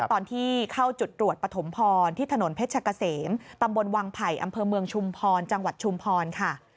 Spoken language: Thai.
ตอนที่เข้าจุดตรวจปฐมพรที่ถนนเพชรกะเสมตำบลวังไผ่อำเภอเมืองชุมพรจังหวัดชุมพรค่ะ